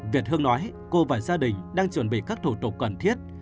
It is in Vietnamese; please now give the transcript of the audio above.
việt hưng nói cô và gia đình đang chuẩn bị các thủ tục cần thiết